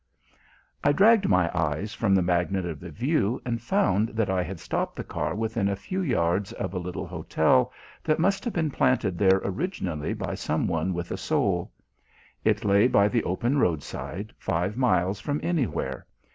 I dragged my eyes from the magnet of the view and found that I had stopped the car within a few yards of a little hotel that must have been planted there originally by someone with a soul. It lay by the open roadside five miles from anywhere.